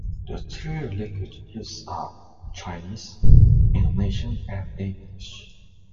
The three languages used are Chinese, Indonesian and English.